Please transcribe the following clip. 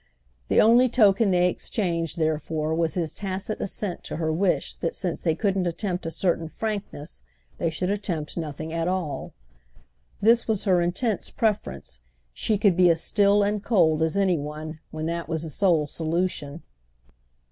The only token they exchanged therefore was his tacit assent to her wish that since they couldn't attempt a certain frankness they should attempt nothing at all. This was her intense preference; she could be as still and cold as any one when that was the sole solution.